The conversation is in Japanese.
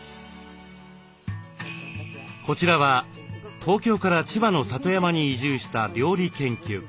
こちらは東京から千葉の里山に移住した料理研究家。